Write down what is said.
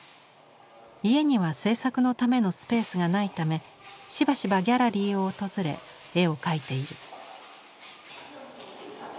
家には制作のためのスペースがないためしばしばギャラリーを訪れ絵を描いている。